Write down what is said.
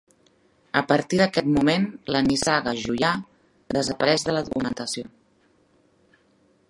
A partir d'aquest moment la nissaga Juià desapareix de la documentació.